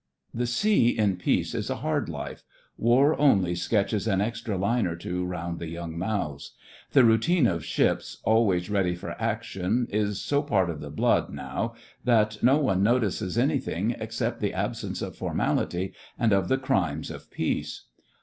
The sea in peace is a hard life; war only sketches an extra line or two round the young mouths. The routine of ships always ready for action is so part of the blood now that no one notices anything except the absence of formality and of the "crimes" of peace.